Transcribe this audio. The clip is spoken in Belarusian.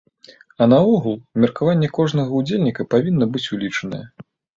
А наогул, меркаванне кожнага ўдзельніка павінна быць улічанае.